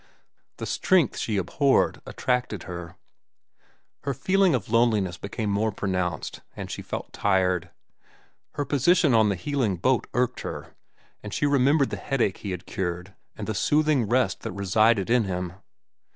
The strength she abhorred attracted her. Her feeling of loneliness became more pronounced, and she felt tired. Her position on the heeling boat irked her, and she remembered the headache he had cured and the soothing rest that resided in him.